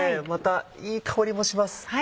またいい香りもします。